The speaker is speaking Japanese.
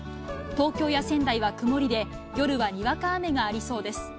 東京や仙台は曇りで、夜はにわか雨がありそうです。